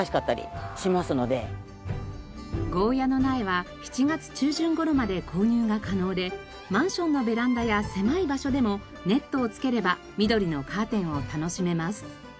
ゴーヤーの苗は７月中旬頃まで購入が可能でマンションのベランダや狭い場所でもネットを付ければ緑のカーテンを楽しめます。